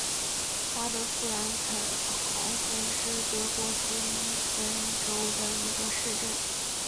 巴德夫兰肯豪森是德国图林根州的一个市镇。